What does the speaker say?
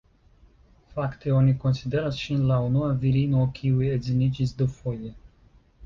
Fakte, oni konsideras ŝin la unua virino kiu edziniĝis dufoje.